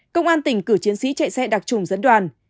công an tỉnh cử chiến sĩ chạy xe đặc trùng dẫn đoàn